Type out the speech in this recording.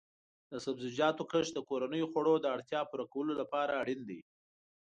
د سبزیجاتو کښت د کورنیو خوړو د اړتیا پوره کولو لپاره اړین دی.